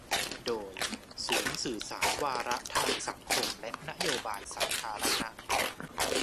โดย ศูนย์สื่อสารวาระทางสังคมและนโยบายสาธารณะ